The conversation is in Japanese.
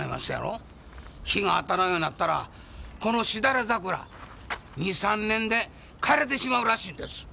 日が当たらんようなったらこのしだれ桜２３年で枯れてしまうらしいんです。